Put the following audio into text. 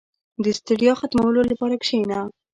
• د ستړیا ختمولو لپاره کښېنه.